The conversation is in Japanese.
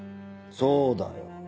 そうだよ。